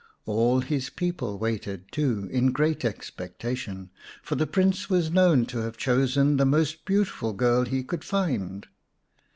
All his people waited, too, in great expectation, for the Prince was known to have chosen the most beautiful girl he could find.